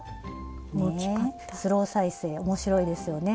ねスロー再生面白いですよね。